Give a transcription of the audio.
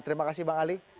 terima kasih bang ali